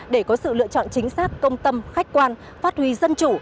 để có sự lựa chọn chính xác công tâm khách quan phát huy dân chủ